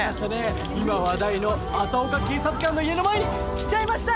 今話題のあたおか警察官の家の前に来ちゃいました！